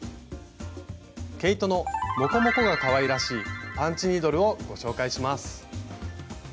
毛糸のモコモコがかわいらしいパンチニードルをご紹介します。